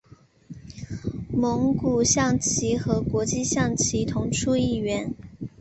蒙古象棋和国际象棋同出一源。